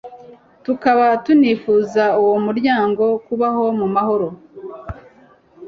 tukaba tunifuriza uwo muryango kubaho mu mahoro